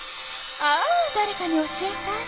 ああだれかに教えたい。